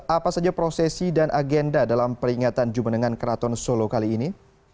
apa saja prosesi dan agenda dalam peringatan jumenengan keraton solo kali ini